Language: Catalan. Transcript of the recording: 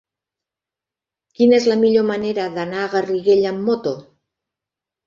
Quina és la millor manera d'anar a Garriguella amb moto?